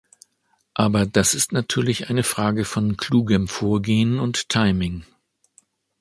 Aber das ist natürlich eine Frage von klugem Vorgehen und Timing.